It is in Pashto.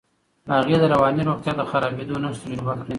هغې د رواني روغتیا د خرابېدو نښې تجربه کړې.